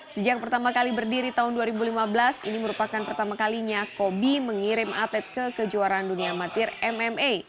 sejak pertama kali berdiri tahun dua ribu lima belas ini merupakan pertama kalinya kobi mengirim atlet ke kejuaraan dunia amatir mma